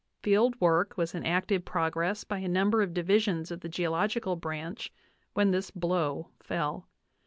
Field work was in active progress by a number of divisions of the geological branch when this blow fell.